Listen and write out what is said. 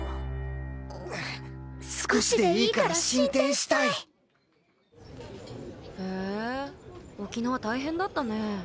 少しでいいから進展したい！へえ沖縄大変だったね。